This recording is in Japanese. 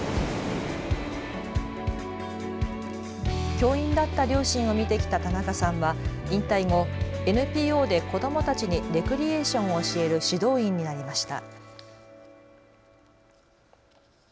教員だった両親を見てきた田中さんは引退後、ＮＰＯで子どもたちにレクリエーションを教える指導員になりました。